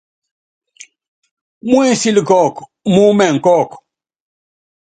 Mú ensíl kɔ́ɔk mú imɛŋ kɔ́ɔka ?